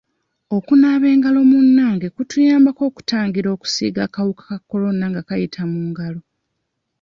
Okunaaba engalo munnange kutuyambako okutangira okusiiga akawuka ka Corona nga kayita mu ngalo.